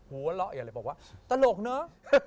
หัวเราะอย่าเลยบอกว่าตลกเนอะ